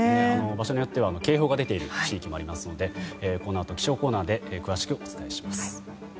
場所によっては警報が出ている地域もありますのでこのあと気象コーナーで詳しくお伝えします。